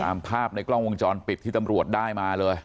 ตามภาพในกล้องวงจรปิดที่ตำรวจได้มาเลย